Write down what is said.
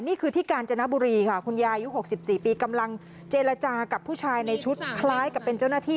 นี่คือที่กาญจนบุรีค่ะคุณยายุค๖๔ปีกำลังเจรจากับผู้ชายในชุดคล้ายกับเป็นเจ้าหน้าที่